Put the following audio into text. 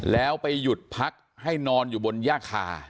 แล้วไปหยุดพักให้นอนอยู่บนย่าคา